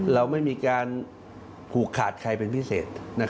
เราไม่มีการผูกขาดใครเป็นพิเศษ